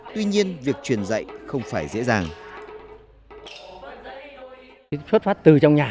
tuy nhiên việc truyền dạy không phải dễ dàng